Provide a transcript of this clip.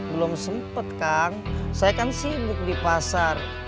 belum sempat kang saya kan sibuk di pasar